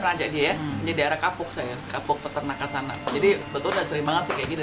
pernah jadi ya jadi ada kapok saya kapok peternakan sana jadi betulnya sering banget sih kayak gini